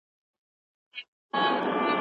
ما د خضر پر چینه لیدلي مړي